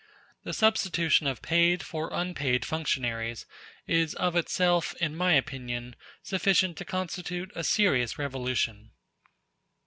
The substitution of paid for unpaid functionaries is of itself, in my opinion, sufficient to constitute a serious revolution.